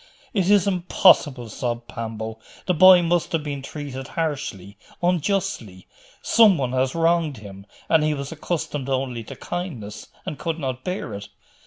'It is impossible!' sobbed Pambo. 'The boy must have been treated harshly, unjustly? Some one has wronged him, and he was accustomed only to kindness, and could not bear it.